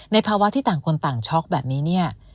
ในภาวะที่ต่างคนต่างช็อกแบบนี้